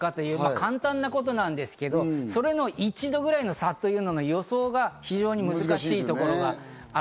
簡単なことなんですけど、その１度ぐらいの差というのの予想が非常に難しいところがある。